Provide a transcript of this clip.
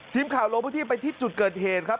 ทีมข่าวลงพื้นที่ไปที่จุดเกิดเหตุครับ